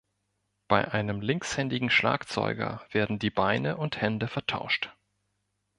Bei einem linkshändigen Schlagzeuger werden die Beine und Hände vertauscht.